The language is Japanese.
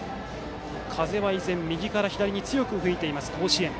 風は依然、右から左に強く吹いています、甲子園。